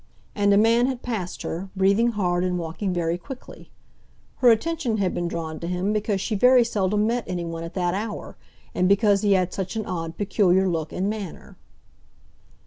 And a man had passed her, breathing hard and walking very quickly. Her attention had been drawn to him because she very seldom met anyone at that hour, and because he had such an odd, peculiar look and manner.